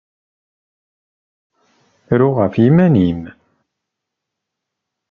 Ru ɣef yiman-im!